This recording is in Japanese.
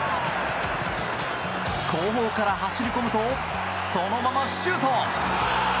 後方から走り込むとそのままシュート！